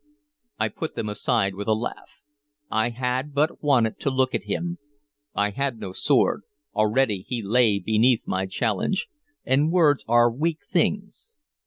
I put them aside with a laugh. I had but wanted to look at him. I had no sword, already he lay beneath my challenge, and words are weak things.